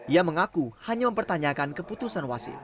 ia mengaku hanya mempertanyakan keputusan wasit